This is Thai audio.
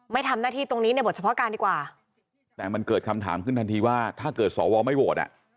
ไม่ทำหน้าที่ตรงนี้ในบทเฉพาะการดีกว่าแต่มันเกิดคำถามขึ้นทันทีว่าถ้าเกิดสวไม่โหวตอ่ะ